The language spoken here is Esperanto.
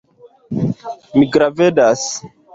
Mi gravedas.